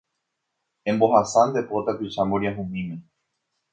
Embohasa nde po tapicha mboriahumíme